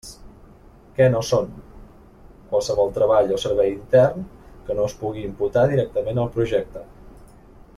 Què no són: qualsevol treball o servei intern que no es pugui imputar directament al projecte.